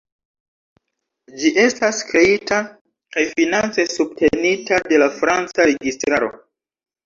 Ĝi estas kreita kaj finance subtenita de la franca registraro.